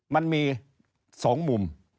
มันมีสองมุม